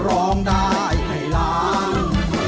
ร้องได้ให้ล้าน